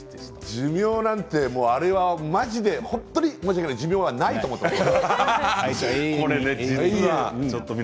寿命なんてまじで、本当に申し訳ないですが寿命はないと思っています。